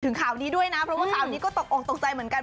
ข่าวนี้ด้วยนะเพราะว่าข่าวนี้ก็ตกออกตกใจเหมือนกัน